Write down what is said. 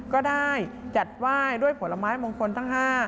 ก็ได้จัดไหว้ด้วยผลไม้มงคลทั้ง๕